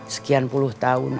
sekian puluh tahun